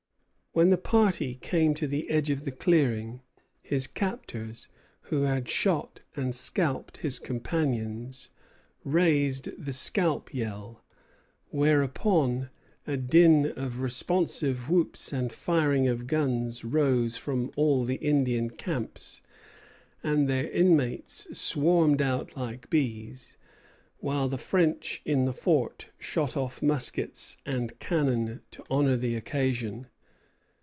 When the party came to the edge of the clearing, his captors, who had shot and scalped his companion, raised the scalp yell; whereupon a din of responsive whoops and firing of guns rose from all the Indian camps, and their inmates swarmed out like bees, while the French in the fort shot off muskets and cannon to honor the occasion.